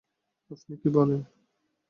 আপনি কী বলেন?